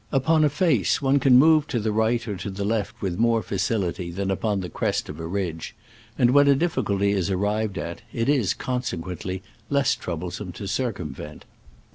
Upon a face one can move to the right or to the left with more facility than upon the crest of a ridge, and when a difficulty is arrived at, it is, consequently, less troublesome to cir cumvent.